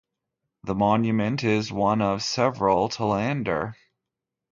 The monument is one of several to Lander.